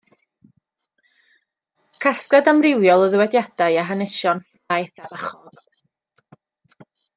Casgliad amrywiol o ddywediadau a hanesion ffraeth a bachog.